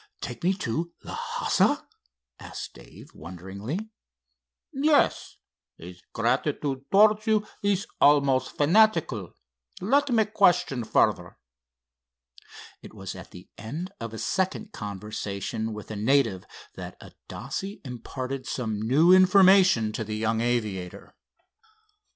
"Take me into Lhassa?" asked Dave, wonderingly. "Yes. His gratitude towards you is almost fanatical. Let me question further." It was at the end of a second conversation with the native that Adasse imparted some new information to the young aviator.